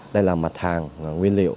đây là mặt hàng nguyên liệu